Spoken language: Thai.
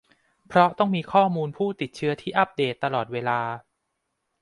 เพราะต้องมีข้อมูลผู้ติดเชื้อที่อัปเดตตลอดเวลา